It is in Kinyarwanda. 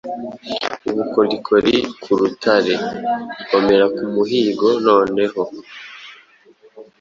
Ubukorikori ku rutare Komera ku muhigo noneho